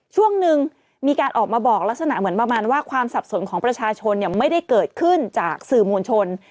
ช่วงหนึ่งมีการออกมาบอกลักษณะเหมือนประมาณว่าความสับสนของประชาชนไม่ได้เกิดขึ้นจากสื่อมวลชน